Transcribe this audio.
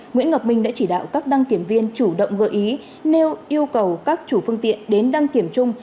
nguyễn ngọc minh đã chỉ đạo các đăng kiểm viên chủ động gợi ý nêu yêu cầu các chủ phương tiện đến đăng kiểm chung